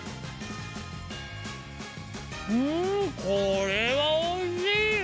うんこれはおいしいよ！